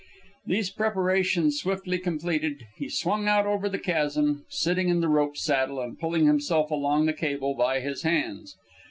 These preparations swiftly completed, he swung out over the chasm, sitting in the rope saddle and pulling himself along the cable by his hands.